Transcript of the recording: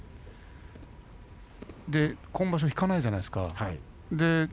阿炎は全然引かないじゃないですか。